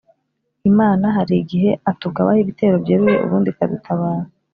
Imana hari igihe atugabaho ibitero byeruye ubundi ikadutabara